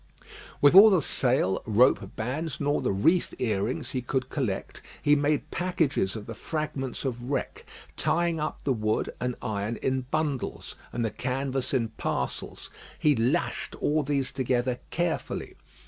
With all the sail, rope bands, and all the reef earrings he could collect, he made packages of the fragments of wreck, tying up the wood and iron in bundles, and the canvas in parcels. He lashed all these together carefully.